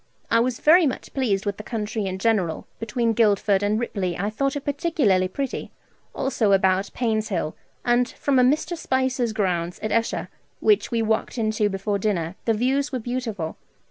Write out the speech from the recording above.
I was very much pleased with the country in general. Between Guildford and Ripley I thought it particularly pretty, also about Painshill; and from a Mr. Spicer's grounds at Esher, which we walked into before dinner, the views were beautiful.